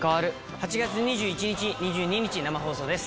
８月２１日２２日生放送です。